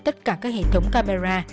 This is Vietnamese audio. tất cả các hệ thống camera